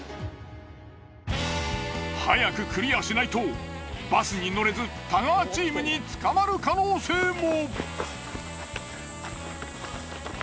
早くクリアしないとバスに乗れず太川チームに捕まる可能性も。